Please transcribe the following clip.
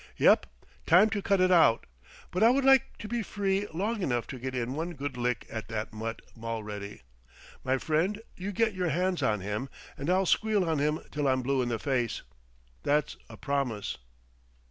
"Yep; time to cut it out. But I would like to be free long enough to get in one good lick at that mutt, Mulready. My friend, you get your hands on him, and I'll squeal on him till I'm blue in the face. That's a promise."